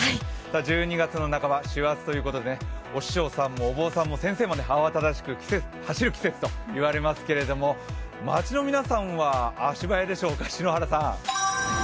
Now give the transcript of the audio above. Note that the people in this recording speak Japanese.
１２月の半ば、師走ということでお師匠さんもお坊さんも先生も慌ただしく走る季節と言われますけれども、街の皆さんは足早でしょうか篠原さん。